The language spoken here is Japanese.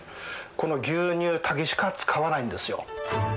この牛乳だけしか使わないんですよ。